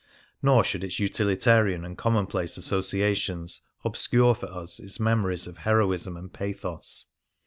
Nor should its utilitarian and commonplace associations obscure for us its memories of heroism and pathos.